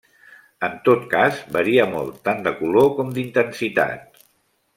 En tot cas, varia molt tant de color com d'intensitat.